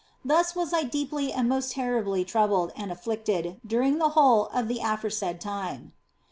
Thus was I deeply and most terribly troubled and afflicted during the whole of the aforesaid time.